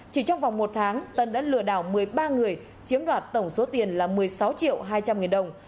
chỉ trong vòng một tháng tân đã lừa đảo một mươi ba người chiếm đoạt tổng số tiền là một mươi sáu triệu hai trăm linh nghìn đồng